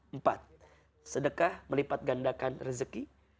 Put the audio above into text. empat sedekah melipat gandakan rezeki